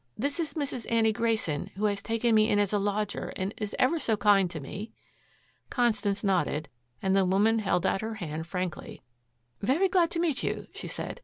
This is Mrs. Annie Grayson, who has taken me in as a lodger and is ever so kind to me." Constance nodded, and the woman held out her hand frankly. "Very glad to meet you," she said.